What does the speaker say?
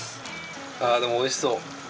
あぁでもおいしそう。